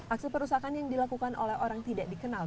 aksi perusahaan yang dilakukan oleh orang tidak dikenal